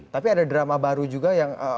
tapi ada drama baru juga yang